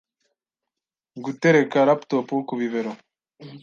gutereka laptop ku bibero,